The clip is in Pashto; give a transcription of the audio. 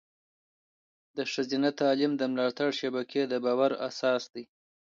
د ښځینه تعلیم د ملاتړ شبکې د باور اساس دی.